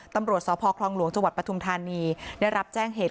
ตำรวจสพคลองหลวงจังหวัดปฐุมธานีได้รับแจ้งเหตุ